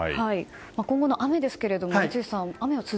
今後の雨ですけども三井さん